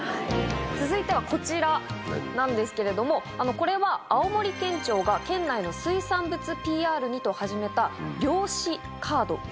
続いてはこちらなんですけど、これは青森県庁が県内の水産物ＰＲにと始めた漁師カード。